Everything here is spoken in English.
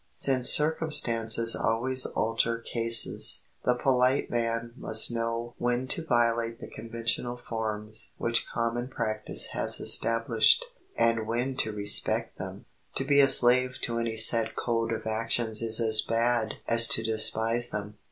Since circumstances always alter cases, the polite man must know when to violate the conventional forms which common practice has established, and when to respect them. To be a slave to any set code of actions is as bad as to despise them.